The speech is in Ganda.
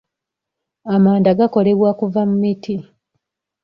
Amanda gakolebwa kuva mu miti.